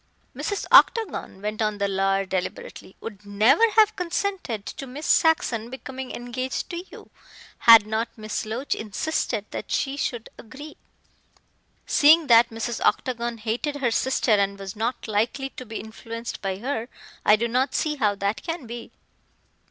"Mrs. Octagon," went on the lawyer deliberately, "would never have consented to Miss Saxon becoming engaged to you had not Miss Loach insisted that she should agree." "Seeing that Mrs. Octagon hated her sister and was not likely, to be influenced by her, I do not see how that can be."